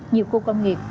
nhiều khu công nghiệp